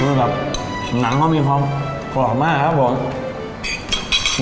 น้ำของเนื้อก็มีความกรอบมากครับผม